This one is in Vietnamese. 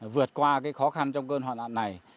vượt qua khó khăn trong cơn hoạn nạn này